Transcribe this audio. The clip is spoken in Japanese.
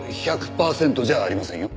１００パーセントじゃありませんよ。